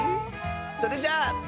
それじゃあ。